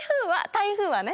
台風はね。